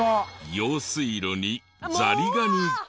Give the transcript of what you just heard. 用水路にザリガニが。